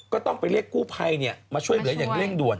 ก็ต้องไปเรียกกู้ภัยมาช่วยเหลืออย่างเร่งด่วน